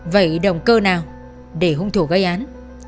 vậy động cơ nào để hung thủ gây án